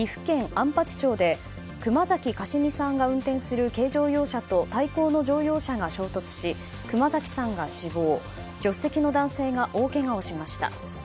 安八町で熊崎加子巳さんが運転する軽乗用車と対向の乗用車が衝突し熊崎さんが死亡助手席の男性が大けがをしました。